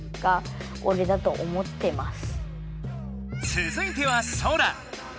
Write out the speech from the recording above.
つづいてはソラ。